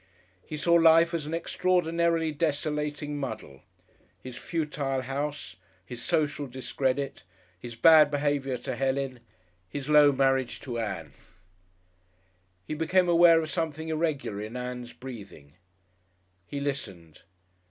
He saw life as an extraordinarily desolating muddle; his futile house, his social discredit, his bad behaviour to Helen, his low marriage to Ann.... He became aware of something irregular in Ann's breathing.... He listened.